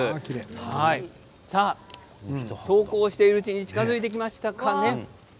そうこうしているうちに近づいてきました。